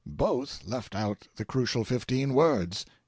BOTH left out the crucial fifteen words."